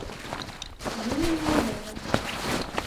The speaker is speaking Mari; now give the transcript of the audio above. Юмым монденыт.